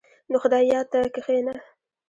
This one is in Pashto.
• د خدای یاد ته کښېنه.